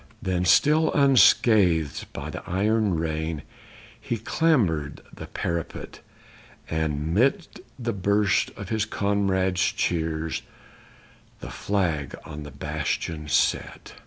Then, still unscathed by the iron rain, he clambered the parapet, And 'mid the burst of his comrades' cheers the flag on the bastion set.